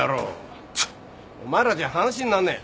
チッお前らじゃ話になんねえ。